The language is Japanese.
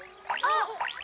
あっ！